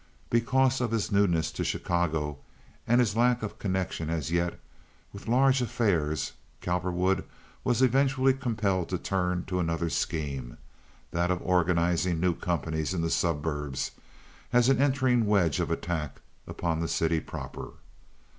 Because of his newness to Chicago and his lack of connection as yet with large affairs Cowperwood was eventually compelled to turn to another scheme—that of organizing new companies in the suburbs as an entering wedge of attack upon the city proper.